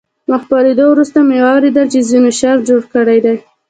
له خپرېدو وروسته مې واورېدل چې ځینو شر جوړ کړی دی.